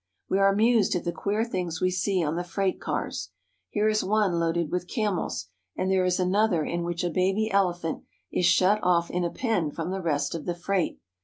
We are amused at the queer things we see on the freight cars. Here is one loaded with camels, and there is another in which a baby elephant is shut off in a pen from the rest of the freight.